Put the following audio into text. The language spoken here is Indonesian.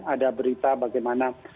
ada berita bagaimana